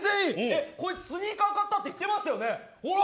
こいつスニーカー買ったって言ってましたよね、ほら。